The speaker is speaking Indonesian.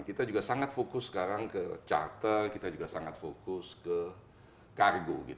kita juga sangat fokus sekarang ke charter kita juga sangat fokus ke kargo